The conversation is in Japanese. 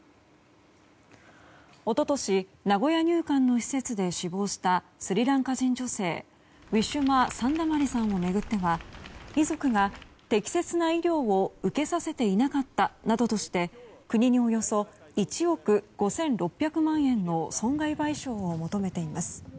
一昨年、名古屋入管の施設で死亡したスリランカ人女性ウィシュマ・サンダマリさんを巡っては遺族が適切な医療を受けさせていなかったなどとして国に、およそ１億５６００万円の損害賠償を求めています。